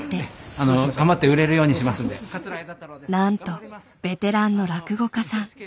なんとベテランの落語家さん。